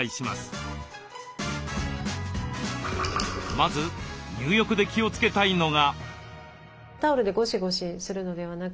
まず入浴で気をつけたいのが。